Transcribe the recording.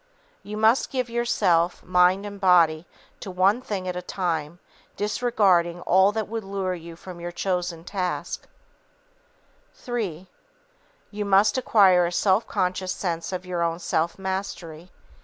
_You must give yourself, mind and body, to one thing at a time, disregarding all that would lure you from your chosen task_. III. _You must acquire a self conscious sense of your own self mastery.